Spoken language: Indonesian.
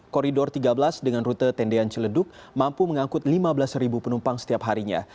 koridor tiga belas dengan rute tendean ciledug mampu mengangkut lima belas penumpang setiap harinya